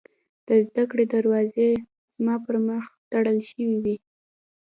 د زدکړې دروازې زما پر مخ تړل شوې وې